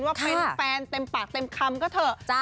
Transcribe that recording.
ว่าเป็นแฟนเต็มปากเต็มคำก็เถอะ